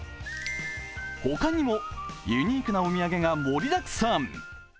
他にもユニークなお土産が盛りだくさん。